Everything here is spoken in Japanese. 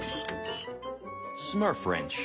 スマーフ・レンチ。